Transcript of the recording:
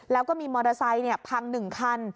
แล้วก็มีมอเตอร์ไซค์พัง๑คัน